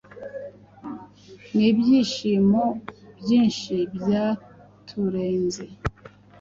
n'ibyishimo byinshi byaturenze